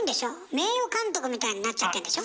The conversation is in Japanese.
名誉監督みたいになっちゃってんでしょ？